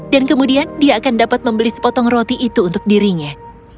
dan kemudian dia akan dapat membeli sepotong roti itu untuk dirinya